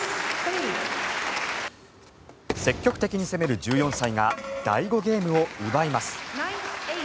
積極的に攻める１４歳が第５ゲームを奪います。